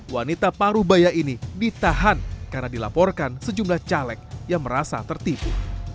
wanita parubaya ini ditahan karena dilaporkan sejumlah caleg yang merasa tertipu